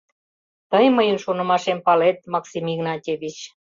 — Тый мыйын шонымашем палет, Максим Игнатьевич.